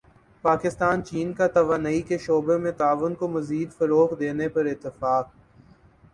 پاکستان چین کا توانائی کے شعبے میں تعاون کو مزید فروغ دینے پر اتفاق